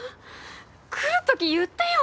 来る時言ってよ！